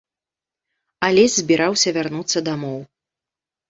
Алесь збіраўся вярнуцца дамоў.